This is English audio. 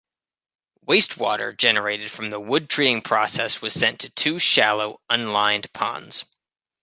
Wastewater generated from the wood-treating process was sent to two shallow, unlined ponds.